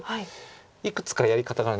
いくつかやり方がある。